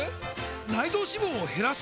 内臓脂肪を減らす！？